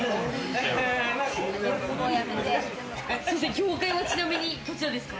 業界はちなみにどちらですか？